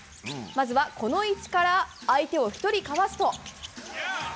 まずはこの位置から、相手を１人かわすと。